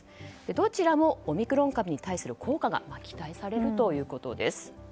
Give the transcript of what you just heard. どちらもオミクロン株に対する効果が期待されるということです。